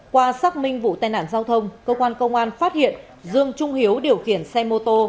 qua xác minh vụ tai nạn giao thông cơ quan công an phát hiện dương trung hiếu điều khiển xe mô tô